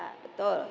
untuk bagi kesehatan